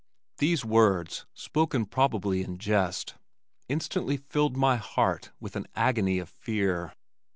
These words, spoken probably in jest, instantly filled my heart with an agony of fear.